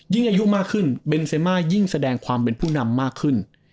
อายุมากขึ้นเบนเซมายิ่งแสดงความเป็นผู้นำมากขึ้น